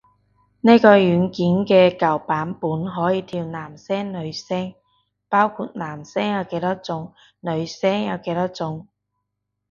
呢個軟件嘅舊版本可以調男聲女聲，包括男聲有幾多種女聲有幾多種